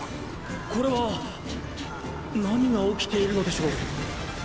これは何が起きているのでしょう？